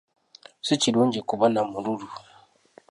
Si kirungi kuba na mululu.